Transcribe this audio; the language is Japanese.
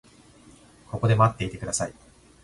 ここで待っていてください。